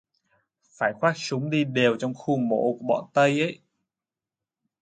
Phải khoác súng đi đều trong khu mổ của bọn tây ấy